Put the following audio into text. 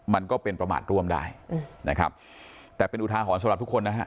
มันก็เป็นประมาทร่วมได้นะครับแต่เป็นอุทาหรณ์สำหรับทุกคนนะฮะ